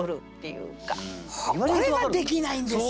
これができないんですよ！